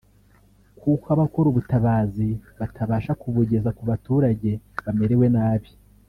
kuko abakora ubutabazi batabasha kubugeza ku baturage bamerewe nabi